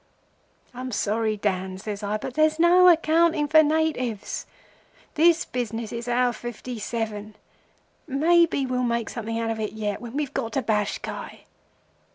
"'I'm sorry, Dan,' says I, 'but there's no accounting for natives. This business is our Fifty Seven. Maybe we'll make something out of it yet, when we've got to Bashkai.